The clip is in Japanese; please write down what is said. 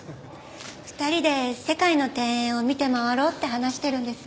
２人で世界の庭園を見て回ろうって話してるんです。